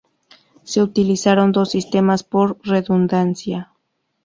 Se utilizaron dos sistemas por redundancia.